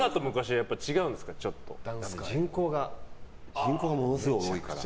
人口がものすごい多いから。